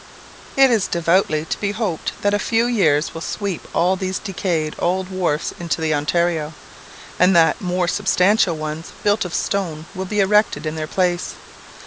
It is devoutly to be hoped that a few years will sweep all these decayed old wharfs into the Ontario, and that more substantial ones, built of stone, will be erected in their place.